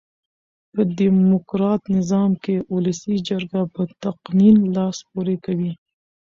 په ډیموکرات نظام کښي اولسي جرګه په تقنين لاس پوري کوي.